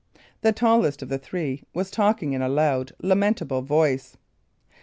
The tallest of the three was talking in a loud, lamentable voice.